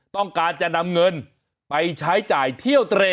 ต้องการจะนำเงินไปใช้จ่ายเที่ยวเตร